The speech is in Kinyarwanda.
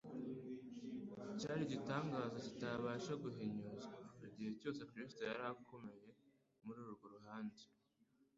cyari igitangaza kitabasha guhinyuzwa. Igihe cyose Kristo yari akomereye muri urwo ruhande,